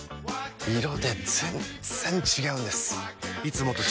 色で全然違うんです！